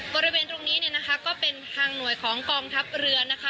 บริเวณตรงนี้เนี่ยนะคะก็เป็นทางหน่วยของกองทัพเรือนะคะ